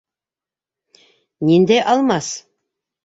Ниндәй Алмас?